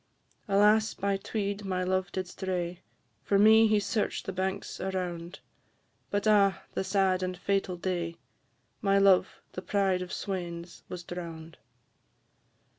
Alas! by Tweed my love did stray, For me he search'd the banks around; But, ah! the sad and fatal day, My love, the pride of swains, was drown'd.